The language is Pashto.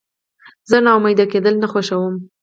زه ناامیده کېدل نه خوښوم.